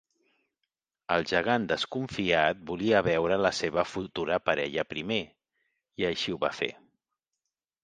El gegant desconfiat volia veure a la seva futura parella primer, i així ho va fer.